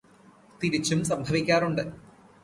തിരിച്ചും സംഭവിക്കാറുണ്ട്.